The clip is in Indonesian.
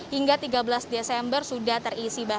hingga tiga belas desember sudah terisi